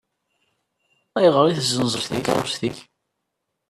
Ayɣer i tezzenzeḍ takeṛṛust-ik?